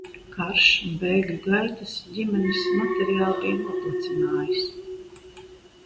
Karš un bēgļu gaitas ģimenes materiāli bija noplicinājis.